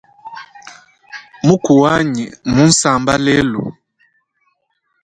Muku wanyi mmunsamba lelu.